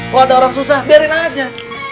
kalau ada orang susah biarin aja